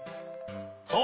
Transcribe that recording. そう。